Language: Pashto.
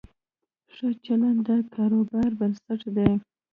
ښه چلند د کاروبار بنسټ دی.